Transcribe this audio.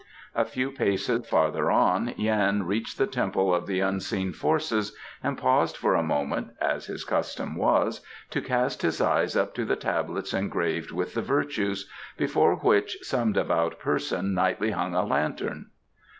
A few paces farther on Yan reached the Temple of the Unseen Forces and paused for a moment, as his custom was, to cast his eyes up to the tablets engraved with The Virtues, before which some devout person nightly hung a lantern.